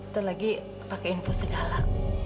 terlagi pakai infosegala